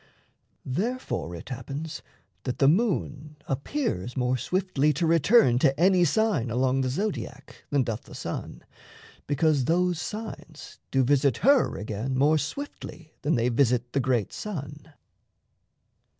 Therefore it happens that the moon appears More swiftly to return to any sign Along the Zodiac, than doth the sun, Because those signs do visit her again More swiftly than they visit the great sun.